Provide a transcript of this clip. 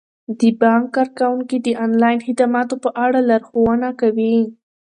د بانک کارکوونکي د انلاین خدماتو په اړه لارښوونه کوي.